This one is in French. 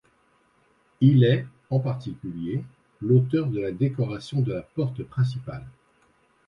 Il est, en particulier, l'auteur de la décoration de la porte principale.